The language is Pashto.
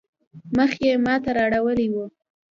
مخ يې ما ته رااړولی وو.